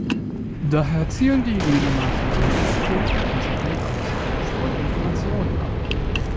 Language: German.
Daher zielen die Gegenmaßnahmen auf den verbesserten Austausch von Informationen ab.